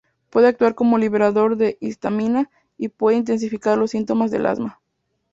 Puede actuar como liberador de histamina, y puede intensificar los síntomas del asma.